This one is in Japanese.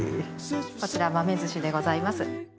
こちら豆寿司でございます。